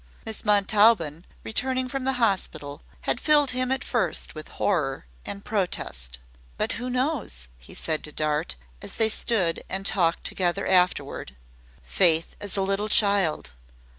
Miss Montaubyn, returning from the hospital, had filled him at first with horror and protest. "But who knows who knows?" he said to Dart, as they stood and talked together afterward, "Faith as a little child.